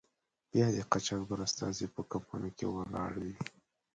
بیا د قاچاقبر استازی په کمپونو کې ولاړ وي.